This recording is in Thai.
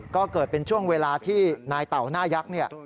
ก็เกิดเป็นช่วงเวลาที่นายเต่าหน้ายักษ์เนี่ย